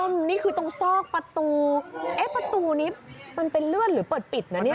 นี่คือตรงซอกประตูเอ๊ะประตูนี้มันเป็นเลื่อนหรือเปิดปิดนะเนี่ย